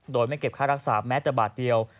โดยไม่เก็บค่ารักษาแม้แต่บาทเดียว